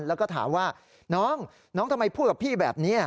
แล้วก็ถามว่าน้องน้องทำไมพูดกับพี่แบบนี้